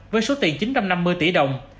với số tiền chín trăm năm mươi tỷ đồng